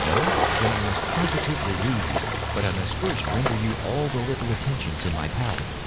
No? Then I must positively leave you. But I must first render you all the little attentions in my power."